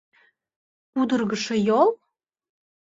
«Пудыргышо йол»?